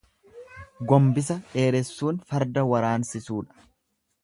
Gombisa dheeressuun farda waraansisuudha.